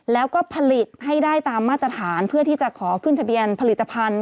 แล้วก็ผลิตให้ได้ตามมาตรฐานเพื่อที่จะขอขึ้นทะเบียนผลิตภัณฑ์